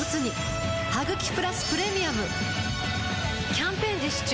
キャンペーン実施中